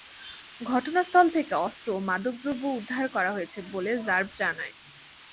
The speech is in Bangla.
ঘটনাস্থল থেকে অস্ত্র ও মাদকদ্রব্য উদ্ধার করা হয়েছে বলে র্যাব জানায়।